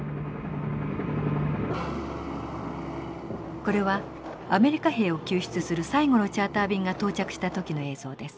これはアメリカ兵を救出する最後のチャーター便が到着した時の映像です。